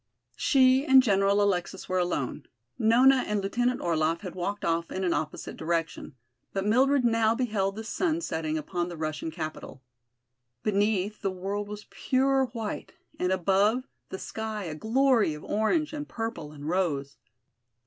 She and General Alexis were alone. Nona and Lieutenant Orlaff had walked off in an opposite direction. But Mildred now beheld the sun setting upon the Russian capital. Beneath, the world was pure white, and above, the sky a glory of orange and purple and rose.